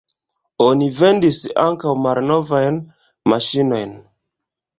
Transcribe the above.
Oni vendis ankaŭ malnovajn maŝinojn.